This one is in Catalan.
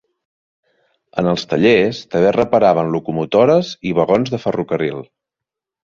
En els tallers, també es reparaven locomotores i vagons de ferrocarril.